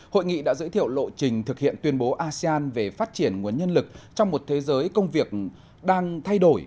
hội nghị đã giới thiệu lộ trình thực hiện tuyên bố asean về phát triển nguồn nhân lực trong một thế giới công việc đang thay đổi